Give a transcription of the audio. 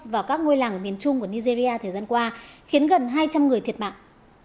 vào các ngôi làng ở miền trung của nigeria thời gian qua khiến gần hai trăm linh người thiệt mạng